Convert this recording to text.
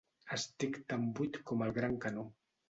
Estic tan buit com el Gran canó.